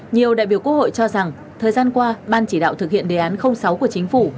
nhiều đại biểu quốc hội cho rằng thời gian qua ban chỉ đạo thực hiện đề án sáu của chính phủ